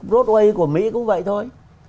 broadway của mỹ cũng vậy thôi